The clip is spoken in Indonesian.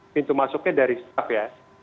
pintu masuknya dari staff ya